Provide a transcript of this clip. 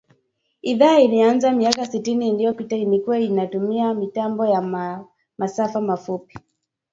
Idhaa ilianza miaka sitini iliyopita ilikua inatumia mitambo ya masafa mafupi